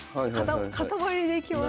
塊でいきます。